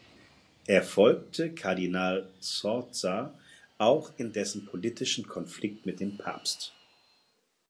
Er folgte Kardinal Sforza auch in dessen politischen Konflikt mit dem Papst.